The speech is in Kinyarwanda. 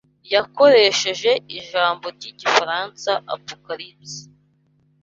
yakoresheje ijambo ry’igifaransa Apocalipusi